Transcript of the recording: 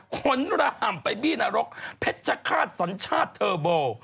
ขนระห่ำไปบี้นรกเพชรฆาตสัญชาติเทอร์โบ